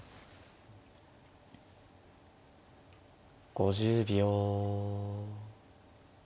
５０秒。